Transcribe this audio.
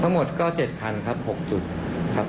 ทั้งหมดก็๗คันครับ๖จุดครับ